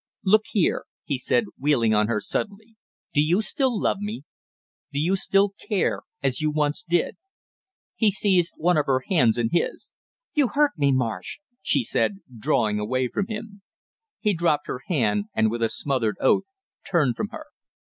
"Look here," he said, wheeling on her suddenly. "Do you still love me; do you still care as you once did?" He seized one of her hands in his. "You hurt me, Marsh!" she said, drawing away from him. He dropped her hand and with a smothered oath turned from her.